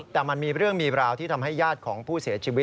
แต่มันมีเรื่องมีราวที่ทำให้ญาติของผู้เสียชีวิต